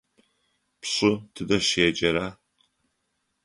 Пшы тыдэ щеджэра?